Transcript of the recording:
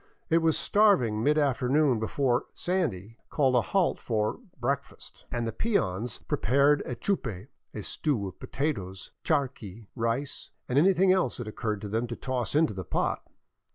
It was starving mid afternoon before " Sandy '* called a halt for " breakfast,'* and the peons prepared a chupe, — a stew of potatoes, charqui, rice, and anything else that it occurred to them to toss into the pot.